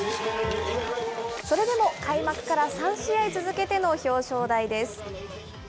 それでも開幕から３試合続けての表彰台です。